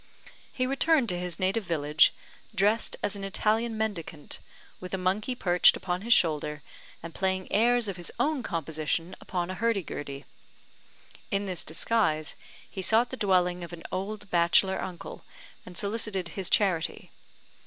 He returned to his native village, dressed as an Italian mendicant, with a monkey perched upon his shoulder, and playing airs of his own composition upon a hurdy gurdy. In this disguise he sought the dwelling of an old bachelor uncle, and solicited his charity.